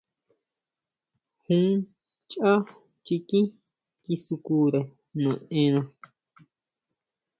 Jun chʼá chikín kisukire naʼena.